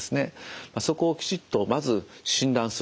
そこをきちっとまず診断すると。